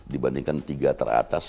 dibandingkan tiga teratas